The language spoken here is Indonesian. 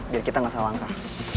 biar kita nggak salah langkah